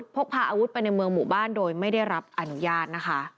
พกพาอาวุธไปในเมืองหมู่บ้านโดยไม่ได้รับอนุญาตนะคะ